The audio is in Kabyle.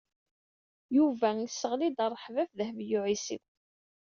Yuba iseɣli-d rrehba ɣef Dehbiya u Ɛisiw.